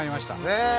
ねえ！